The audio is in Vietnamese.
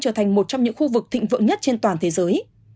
trở thành một trong những khu vực thịnh vượng nhất trên toàn thế giới